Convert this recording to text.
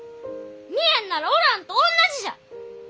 見えんならおらんとおんなじじゃ！